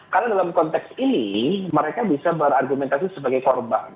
karena dalam konteks ini mereka bisa berargumentasi sebagai korban